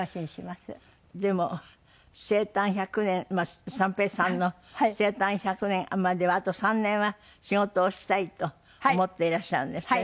でも生誕１００年三平さんの生誕１００年まではあと３年は仕事をしたいと思っていらっしゃるんですってね。